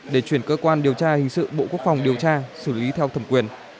để chuyển cơ quan điều tra hình sự bộ quốc phòng điều tra xử lý theo thẩm quyền